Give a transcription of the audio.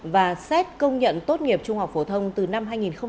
và xét công nhận tốt nghiệp trung học phổ thông từ năm hai nghìn hai mươi năm